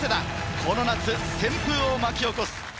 この夏旋風を巻き起こす！